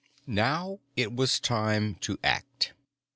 Now it was time to act.